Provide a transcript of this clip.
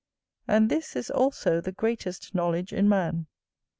And this is also the greatest knowledge in man.